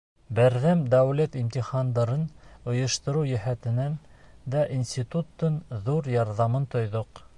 Берҙәм дәүләт имтихандарын ойоштороу йәһәтенән дә институттың ҙур ярҙамын тойҙоҡ.